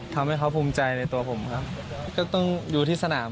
ทำให้เขาภูมิใจในตัวผมครับก็ต้องอยู่ที่สนาม